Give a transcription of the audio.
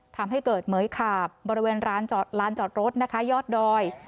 ทำให้เกิดเหมือยขาบบริเวณร้านจอดรถนะคะยอดดอย